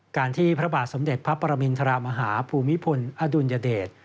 การที่พระบาทสมเด็จพระปรมินทรมาฮาภูมิพลอดุลยเดช